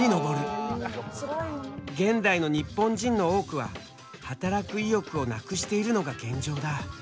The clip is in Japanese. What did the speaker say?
現代の日本人の多くは働く意欲をなくしているのが現状だ。